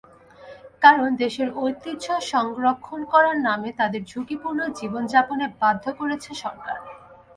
কারণ, দেশের ঐতিহ্য সংরক্ষণ করার নামে তাদের ঝুঁকিপূর্ণ জীবনযাপনে বাধ্য করছে সরকার।